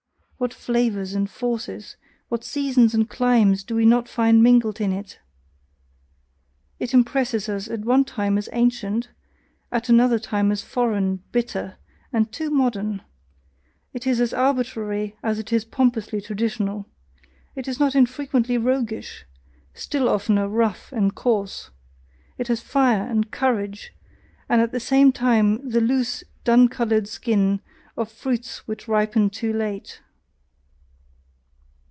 What flavours and forces, what seasons and climes do we not find mingled in it! It impresses us at one time as ancient, at another time as foreign, bitter, and too modern, it is as arbitrary as it is pompously traditional, it is not infrequently roguish, still oftener rough and coarse it has fire and courage, and at the same time the loose, dun coloured skin of fruits which ripen too late.